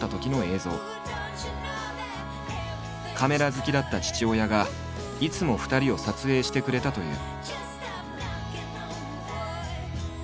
カメラ好きだった父親がいつも２人を撮影してくれたという。